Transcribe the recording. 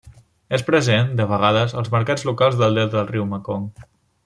És present, de vegades, als mercats locals del delta del riu Mekong.